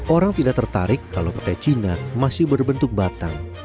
orang tidak tertarik kalau pakai cina masih berbentuk batang